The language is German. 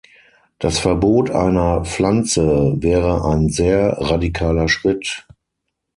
Das Verbot einer Pflanze wäre ein sehr radikaler Schritt.